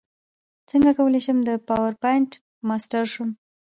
څنګه کولی شم د پاورپاینټ ماسټر شم